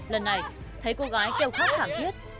lần này thấy cô gái kêu khóc thẳng thiết